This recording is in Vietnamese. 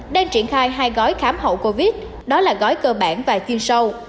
đang triển khai hai gói khám hậu covid đó là gói cơ bản và chiên sâu